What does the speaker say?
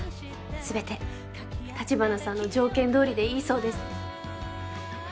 すべて立花さんの条件通りでいいそうです。